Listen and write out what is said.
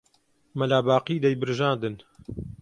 مەلا باقی دەیبرژاندن